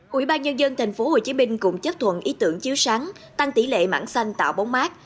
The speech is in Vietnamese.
quỹ ban nhân dân tp hcm cũng chấp thuận ý tưởng chiếu sáng tăng tỷ lệ mảng xanh tạo bóng mát